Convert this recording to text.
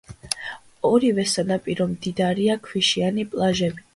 ორივე სანაპირო მდიდარია ქვიშიანი პლაჟებით.